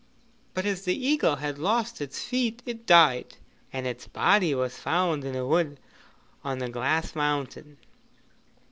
But as the eagle had lost its feet it died, and its body was found in a wood on the Glass Mountain.